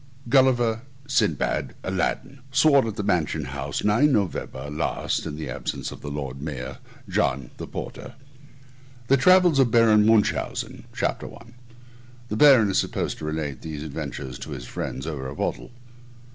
GULLIVER. x SINBAD. x ALADDIN. x Sworn at the Mansion House 9th Nov. last, in the absence of the Lord Mayor. JOHN (the Porter). TRAVELS OF BARON MUNCHAUSEN CHAPTER I [THE BARON IS SUPPOSED TO RELATE THESE ADVENTURES TO HIS FRIENDS OVER A BOTTLE.